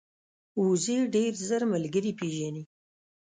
وزې ډېر ژر ملګري پېژني